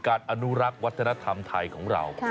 อนุรักษ์วัฒนธรรมไทยของเรา